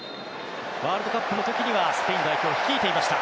ワールドカップの時はスペイン代表を率いていました。